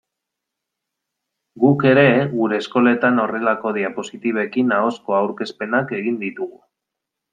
Guk ere gure eskoletan horrelako diapositibekin ahozko aurkezpenak egin ditugu.